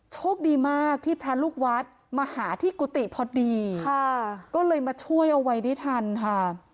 โชคดีมากที่พระลูกวัดมาหาที่กุฏิพอดีค่ะก็เลยมาช่วยเอาไว้ได้ทันค่ะ